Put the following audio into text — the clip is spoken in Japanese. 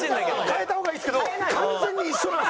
変えた方がいいですけど完全に一緒なんですよ。